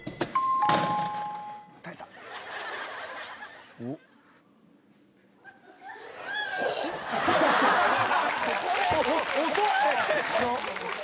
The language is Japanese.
「耐えた」遅っ！